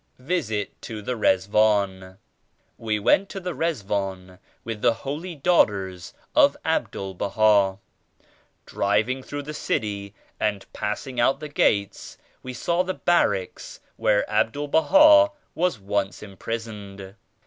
«7 VISIT TO THE RIZWAN. We went to the Rizwan with the holy daugh ters of Abdul Baha. Driving through the city and passing out the gates we saw the barracks where Abdul Baha was once imprisoned.